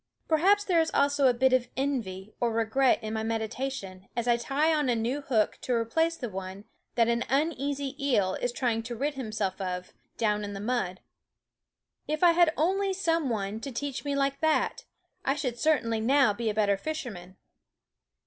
Perhaps there is also a bit of 110 School for envy or regret m my medltatlon as l tie on a new hook to replace the one that an uneasy eel is trying to rid himself of, down in the mud. If I had only had some one to teach me like that, I should certainly now be a better fisherman.